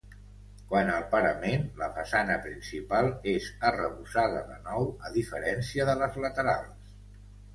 Quant al parament, la façana principal és arrebossada de nou, a diferència de les laterals.